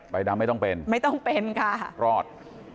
ดำไม่ต้องเป็นไม่ต้องเป็นค่ะรอด